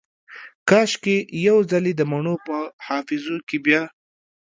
کاشکي یو ځلې دمڼو په حافظو کې بیا